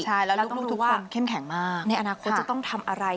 ใช่แล้วลูกทุกคนเข้มแข็งมากในอนาคตจะต้องทำอะไร